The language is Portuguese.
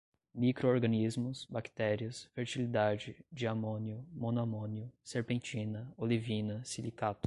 microrganismos, bactérias, fertilidade, diamônio, monoamônio, serpentina, olivina, silicato